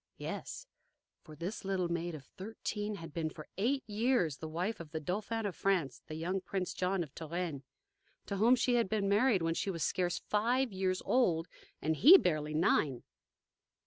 Yes. For this little maid of thirteen had been for eight years the wife of the Dauphin of France, the young Prince John of Touraine, to whom she had been married when she was scarce five years old and he barely nine.